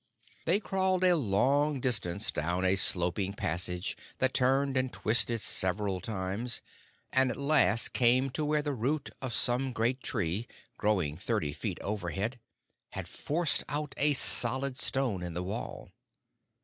They crawled a long distance down a sloping passage that turned and twisted several times, and at last came to where the root of some great tree, growing thirty feet overhead, had forced out a solid stone in the wall.